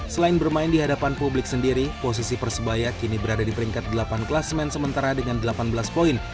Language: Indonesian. selain bermain di hadapan publik sendiri posisi persebaya kini berada di peringkat delapan kelas main sementara dengan delapan belas poin